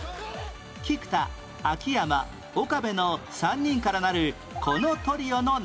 菊田秋山岡部の３人からなるこのトリオの名前は？